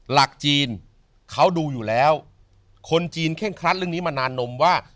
หลักจีนเขาดูอยู่แล้วคนจีนเคร่งครัดเรื่องนี้มานานนมว่า